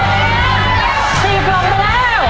เวลาดีครับ